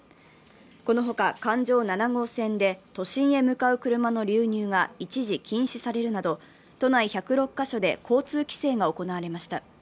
この他、環状７号線で都心へ向かう車の流入が一時禁止されるなど都内１０６カ所で交通規制が行われました。